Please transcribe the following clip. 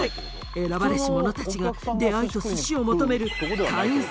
選ばれし者たちが出会いと寿司を求める会員制